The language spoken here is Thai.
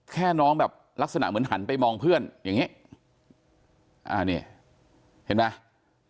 แค่น้องแบบลักษณะเหมือนหันไปมองเพื่อนอย่างนี้อ่านี่เห็นไหม